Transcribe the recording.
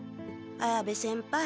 綾部先輩